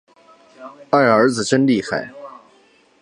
二儿子真厉害